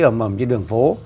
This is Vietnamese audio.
ở mầm trên đường phố